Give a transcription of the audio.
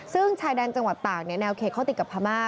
ซึ่งชายแดนจังหวัดตากแนวเขตเขาติดกับพม่า